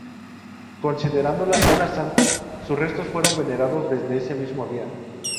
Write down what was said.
Considerándola una santa, sus restos fueron venerados desde ese mismo día.